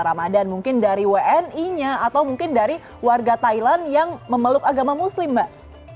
ramadhan mungkin dari wni nya atau mungkin dari warga thailand yang memeluk agama muslim mbak